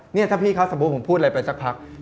นี่ถ้าพี่เขาสมมุติผมพูดอะไรไปสักพัก